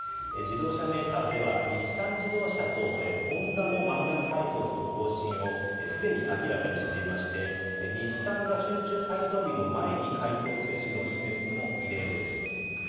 自動車メーカーでは日産自動車とホンダも満額回答する方針をすでに明らかにしていまして日産が集中回答日の前に回答水準を示すのも異例です。